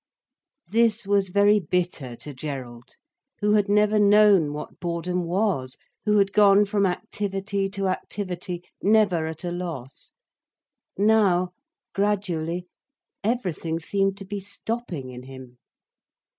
This was very bitter to Gerald, who had never known what boredom was, who had gone from activity to activity, never at a loss. Now, gradually, everything seemed to be stopping in him.